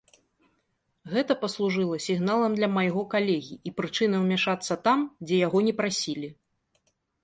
Гэта паслужыла сігналам для майго калегі і прычынай умяшацца там, дзе яго не прасілі.